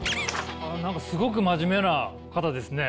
何かすごく真面目な方ですね。